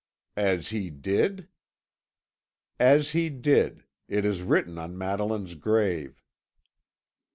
"As he did?" "As he did. It is written on Madeline's grave."